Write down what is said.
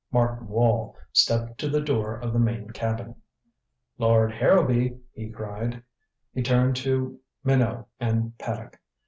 Martin Wall stepped to the door of the main cabin. "Lord Harrowby!" he cried. He turned to Minot and Paddock.